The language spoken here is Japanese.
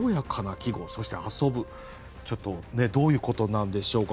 ちょっとどういうことなんでしょうか？